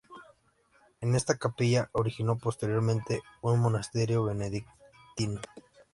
En esta capilla originó posteriormente un monasterio benedictino.